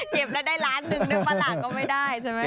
เก็บแล้วได้ล้านหนึ่งในฝรั่งก็ไม่ได้